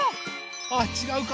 あちがうか。